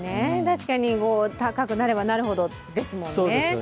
高くなればなるほどですもんね。